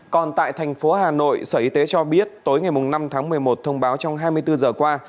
còn tại thành phố hà nội sở y tế cho biết tối ngày năm tháng một mươi một thông báo trong hai mươi bốn giờ qua